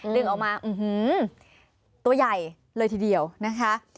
ดึงเอามาเตว่ายังเลยทีเดียวนะคะ